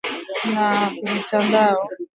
na haijapiga marufuku sarafu ya kimtandao